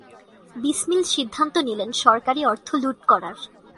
বিসমিল সিদ্ধান্ত নিলেন সরকারি অর্থ লুট করার।